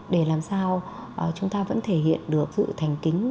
để làm sao chúng ta vẫn thể hiện được sự thành kính